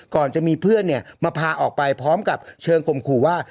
ก่อนจะมีเพื่อนมาพาออกไปพร้อมกับเชิงข่มขู่ว่า